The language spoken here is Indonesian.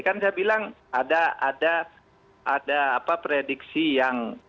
kan saya bilang ada prediksi yang